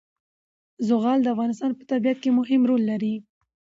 زغال د افغانستان په طبیعت کې مهم رول لري.